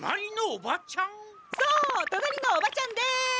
そう隣のおばちゃんです！